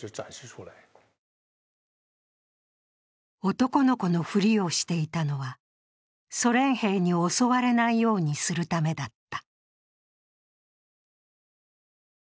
男の子のふりをしていたのはソ連兵に襲われないようにするためだった。